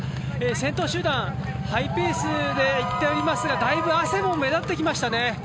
先頭集団、ハイペースで行っておりますだいぶ、汗も目立ってきましたね。